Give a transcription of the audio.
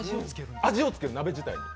味をつける、鍋自体に。